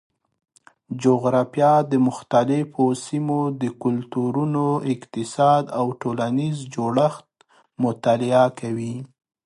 جغرافیه د مختلفو سیمو د کلتورونو، اقتصاد او ټولنیز جوړښت مطالعه کوي.